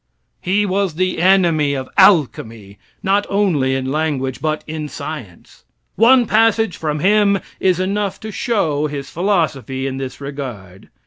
He was the enemy of alchemy, not only in language, but in science. One passage from him is enough to show his philosophy in this regard.